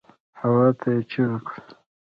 هواته يې چيغه کړه.